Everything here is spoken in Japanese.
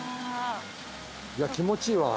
いや気持ちいいわ。